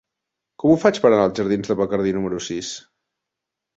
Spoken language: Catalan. Com ho faig per anar als jardins de Bacardí número sis?